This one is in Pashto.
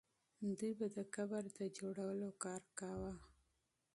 دوی به د قبر د جوړولو کار کاوه.